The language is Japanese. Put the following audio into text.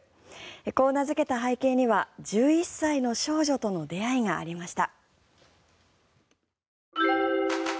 こう名付けた背景には１１歳の少女との出会いがありました。